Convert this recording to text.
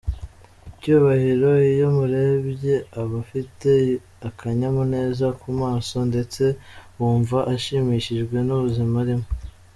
Cyubahiro iyo umurebye aba afite akanyamuneza ku maso ndetse wumva ashimishijwe n’ubuzima arimo.